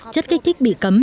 chất kích thích bị cấm